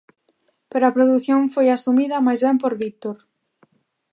Pero a produción foi asumida máis ben por Víctor.